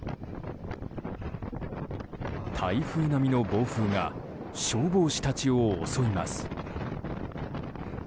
台風並みの暴風が消防士たちを襲います。